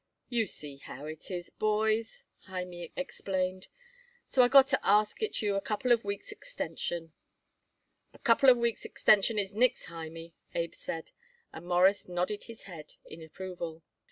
"You see how it is, boys," Hymie explained; "so I got to ask it you a couple of weeks' extension." "A couple of weeks' extension is nix, Hymie," Abe said, and Morris nodded his head in approval.